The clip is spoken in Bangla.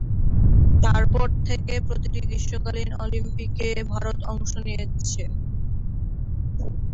তারপর থেকে প্রতিটি গ্রীষ্মকালীন অলিম্পিকে ভারত অংশ নিয়েছে।